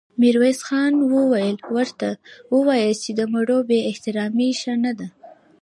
ميرويس خان وويل: ورته وواياست چې د مړو بې احترامې ښه نه ده.